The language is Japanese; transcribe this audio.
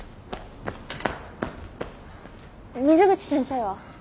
水口先生は？